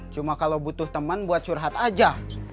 cuma kalo butuh temen buat curhat aja